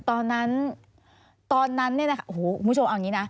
ตอนนั้นคุณผู้ชมเอาอย่างนี้นะ